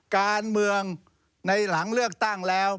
การเมืองในหลังเลือกตั้งแล้ว